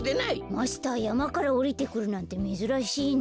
マスターやまからおりてくるなんてめずらしいね。